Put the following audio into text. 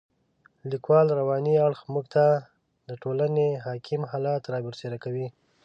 د لیکوال رواني اړخ موږ ته د ټولنې حاکم حالات را برسېره کوي.